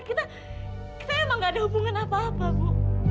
kita saya emang gak ada hubungan apa apa bu